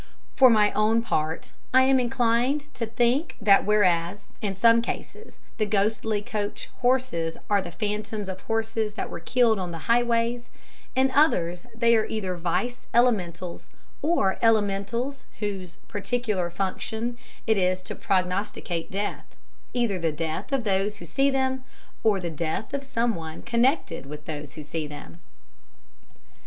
For my own part I am inclined to think that whereas, in some cases, the ghostly coach horses are the phantoms of horses that were killed on the highways, in others they are either Vice Elementals, or Elementals whose particular function it is to prognosticate death, either the death of those who see them, or the death of someone connected with those who see them.